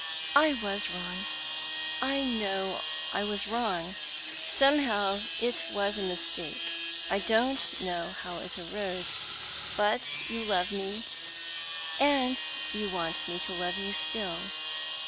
"I was wrong! I know I was wrong. Somehow it was a mistake. I don't know how it arose. But you love me and you want me to love you still.